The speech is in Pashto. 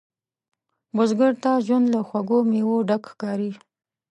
بزګر ته ژوند له خوږو میوو ډک ښکاري